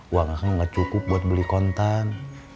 uang akang gak cukup buat beli kontan